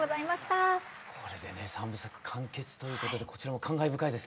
これでね３部作完結ということでこちらも感慨深いですね。